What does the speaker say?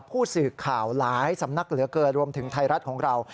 ผู้สื่อข่าวหลายสำนักเหลือเกินรวมถึงไทยรัฐของเรา